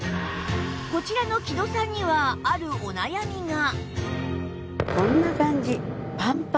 こちらの木戸さんにはあるお悩みが